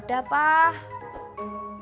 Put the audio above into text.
dari bu nur